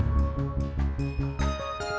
si diego udah mandi